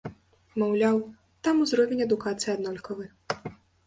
Маўляў, там узровень адукацыі аднолькавы.